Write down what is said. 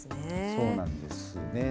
そうなんですね。